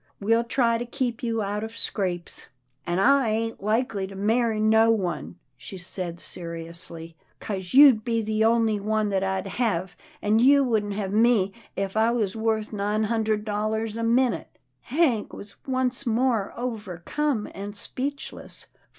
We'll try to keep you out of scrapes." " An' I ain't likely to marry no one," she said seriously, " 'cause you'd be the only one that I'd hev, an' you wouldn't hev me if I was wuth nine hun dred dollars a minute." Hank was once more overcome and speechless.